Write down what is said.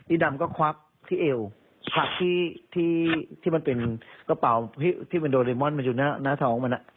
อีดำก็ควับที่เอวควับที่ที่ที่มันเป็นกระเป๋าที่มันโดรีมอนต์มันอยู่หน้าหน้าท้องมันอ่ะ